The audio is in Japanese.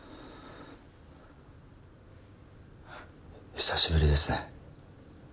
久しぶりですね。